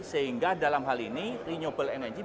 sehingga dalam hal ini renewable energy